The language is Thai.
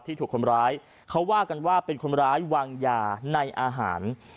ถูกคนร้ายเขาว่ากันว่าเป็นคนร้ายวางยาในอาหาร